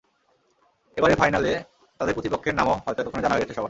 এবারের ফাইনালে তাদের প্রতিপক্ষের নামও হয়তো এতক্ষণে জানা হয়ে গেছে সবার।